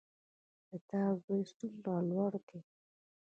د تا زوی څومره لوړ ده